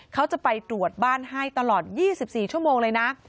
เขาจะไปตรวจบ้านให้ตลอด๒๔ชั่วโมงเลยนะ